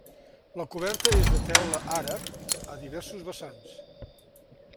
La coberta és de teula àrab a diversos vessants.